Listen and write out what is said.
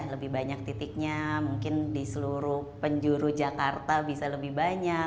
lebih banyak titiknya mungkin di seluruh penjuru jakarta bisa lebih banyak